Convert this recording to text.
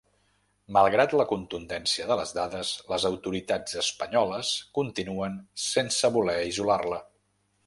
Malgrat la contundència de les dades, les autoritats espanyoles continuen sense voler isolar-la.